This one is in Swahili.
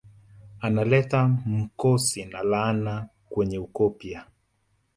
Analeta mkosi na laana kwenye ukoo pia